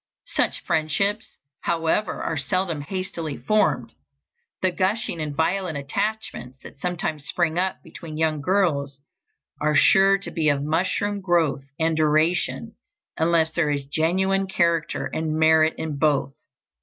Such friendships, however, are seldom hastily formed. The gushing and violent attachments that sometimes spring up between young girls are sure to be of mushroom growth and duration, unless there is genuine character and merit in both.